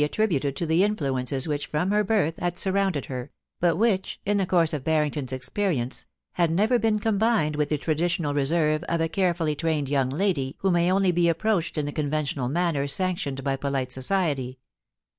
339 attributed to the influences which from her birth had sur rounded her, but which, in the course of Barrington's ex perience, had never been combined with the traditional reserve of a careEiilly trained young lady who may only be approached in the conventional manner sanctioned by petite society.